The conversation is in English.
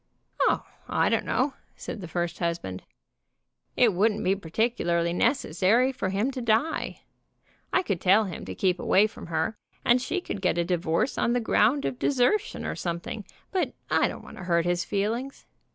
"Oh, I don't know," said the first husband. "It wouldn't be particularly necessary for him to die. I could tell him to keep away from her, and she could get a divorce on the ground of desertion or something, but I don't want to hurt his feelings.